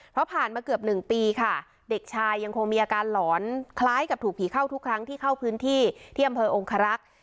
เพราะผ่านมาเกือบหนึ่งปีค่ะเด็กชายยังคงมีอาการหลอนคล้ายกับถูกผีเข้าทุกครั้งที่เข้าพื้นที่ที่อำเภอองครักษ์